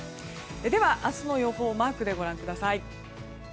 では明日の予報をマークでご覧ください。